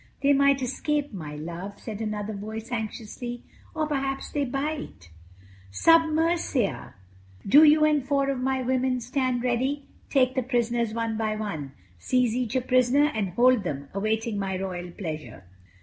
"They might escape, my love," said another voice anxiously, "or perhaps they bite." "Submersia," said the first voice, "do you and four of my women stand ready. Take the prisoners one by one. Seize each a prisoner and hold them, awaiting my royal pleasure."